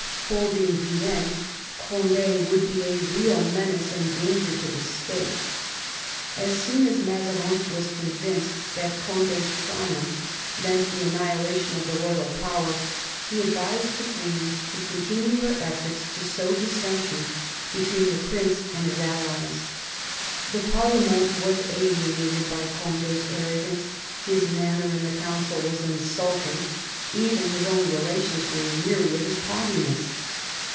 Holding Guienne, Cond^ would be a real menace and danger to the State. As soon as Mazarin was con vinced that Condi's triumph meant the annihilation of the royal power, he advised the queen to continue her efforts to sow dissension between the prince and his allies. The jmrlement was alienated by Condi's arrogance, his manner in the Council was insulting, even his own relations were weary of his haughtiness.